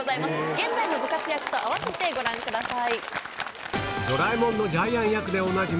現在のご活躍と併せてご覧ください。